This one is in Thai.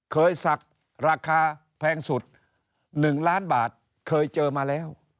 เคยสักราคาแพงสุดหนึ่งล้านบาทเคยเจอมาแล้ว